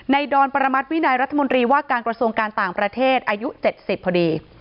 ดอนประมัติวินัยรัฐมนตรีว่าการกระทรวงการต่างประเทศอายุ๗๐พอดี